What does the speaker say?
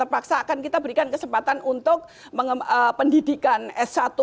terpaksa akan kita berikan kesempatan untuk pendidikan s satu